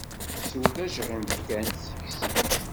Sew tajɣimt kan seg-s.